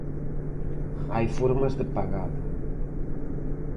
Hai formas de pagalo.